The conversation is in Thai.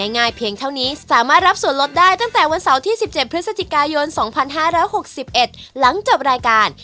ง่ายเพียงเท่านี้สามารถรับส่วนลดได้ตั้งแต่วันเสาร์ที่๑๗พฤศจิกายน๒๕๖๑หลังจบรายการ